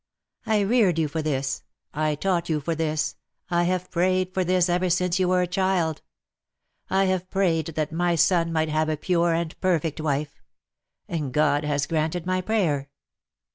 I reared you for this, I taught you for this, I have prayed for this ever since you were a child. I have prayed that my son might have a pure and perfect wife : and God has granted my prayer .'''